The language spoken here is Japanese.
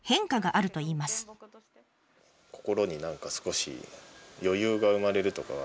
心に何か少し余裕が生まれるとかは。